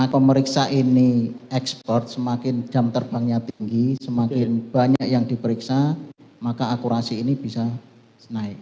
pemeriksa ini ekspor semakin jam terbangnya tinggi semakin banyak yang diperiksa maka akurasi ini bisa naik